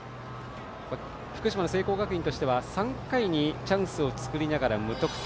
福島の聖光学院としては３回チャンスを作りながら無得点。